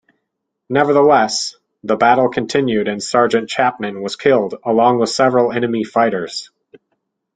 Nevertheless, the battle continued and Sergeant Chapman was killed along with several enemy fighters.